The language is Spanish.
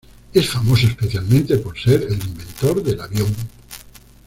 Es famoso especialmente por ser el inventor del avión.